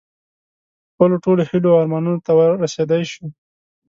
خپلو ټولو هیلو او ارمانونو ته رسېدی شو.